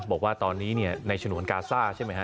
บอกว่าตอนนี้ในฉนวนกาซ่าใช่ไหมฮะ